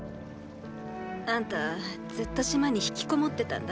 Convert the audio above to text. あんたずっと島に引きこもってたんだってね。